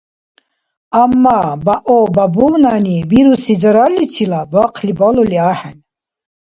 Амма баобабунани бируси заралличила бахъли балули ахӀен